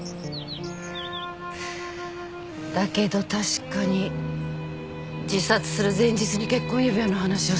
だけど確かに自殺する前日に結婚指輪の話をするなんて変ね。